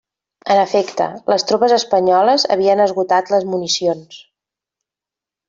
En efecte les tropes espanyoles havien esgotat les municions.